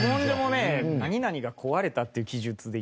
「何々が壊れた」っていう記述でいくんですよ。